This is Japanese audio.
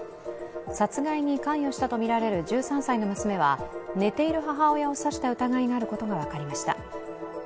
殺害に関与したとみられる１３歳の娘は寝ている母親を刺した疑いがあることが分かりました。